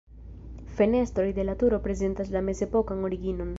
Fenestroj de la turo prezentas la mezepokan originon.